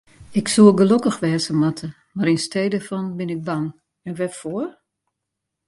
Ik soe gelokkich wêze moatte, mar yn stee dêrfan bin ik bang, en wêrfoar?